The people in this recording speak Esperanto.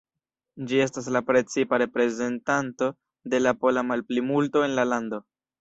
Ĝi estas la precipa reprezentanto de la pola malplimulto en la lando.